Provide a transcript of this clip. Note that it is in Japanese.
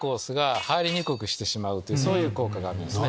そういう効果があるんですね。